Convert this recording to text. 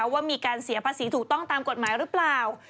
ว่ามีการเสียภาษีถูกต้องตามกฎหมายหรือเปล่า